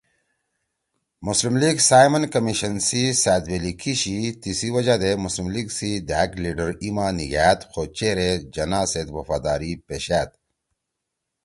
مسلم لیگ سائمن کمیشن (Simon Comission) سی سأدویلی کیِشی تیِسی وجہ دے مسلم لیگ سی دھأگ لیڈر ایِما نیگھأد خو چیر ئے جناح سیت وفاداری پیشأد